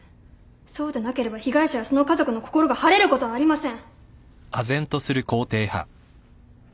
そうでなければ被害者やその家族の心が晴れることはありません。